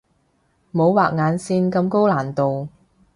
冇畫眼線咁高難度